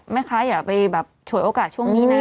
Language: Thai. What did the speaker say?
อย่าไปแบบฉวยโอกาสช่วงนี้นะ